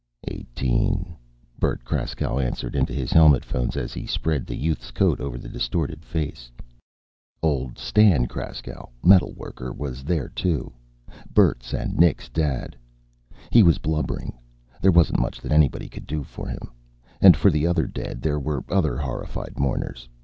"Eighteen," Bert Kraskow answered into his helmet phones as he spread the youth's coat over the distorted face. Old Stan Kraskow, metal worker, was there, too. Bert's and Nick's dad. He was blubbering. There wasn't much that anybody could do for him. And for the other dead, there were other horrified mourners.